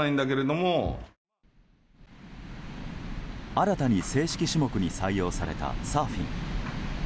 新たに正式種目に採用されたサーフィン。